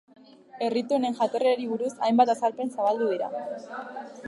Erritu honen jatorriari buruz hainbat azalpen zabaldu dira.